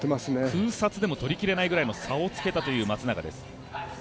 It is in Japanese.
空撮でも取り切れないくらいの差をつけた松永です。